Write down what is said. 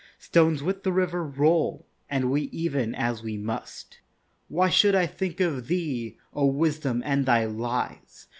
Stones with the river roll, And we ev'n as we must. Why should I think of thee, O Wisdom, and thy lies?